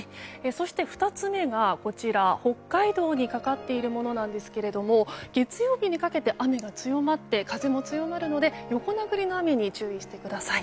そして２つ目が北海道にかかっているものなんですが月曜日にかけて雨が強まって風も強まるので横殴りの雨に注意してください。